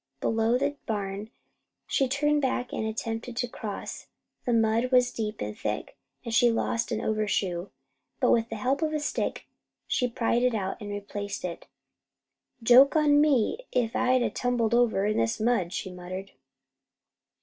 Below the barn she turned back and attempted to cross. The mud was deep and thick, and she lost an overshoe; but with the help of a stick she pried it out, and replaced it. "Joke on me if I'd a tumbled over in this mud," she muttered.